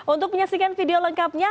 untuk menyaksikan video lengkapnya